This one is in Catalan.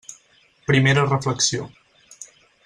Primera reflexió.